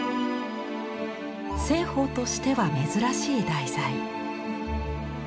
栖鳳としては珍しい題材。